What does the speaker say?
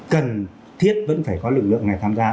cần thiết vẫn phải có lực lượng này tham gia